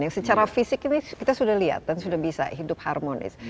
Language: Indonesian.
yang secara fisik ini kita sudah lihat dan sudah bisa hidup harmonis